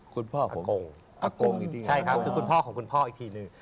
คุณพ่อผมอักโกงอักโกงอยู่ดีนะครับคุณพ่อของคุณพ่ออีกทีหนึ่ง